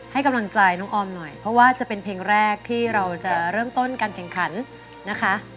ให้กำลังใจน้องออมหน่อยเพราะว่าจะเป็นเพลงแรกที่เราจะเริ่มต้นการแข่งขันนะคะ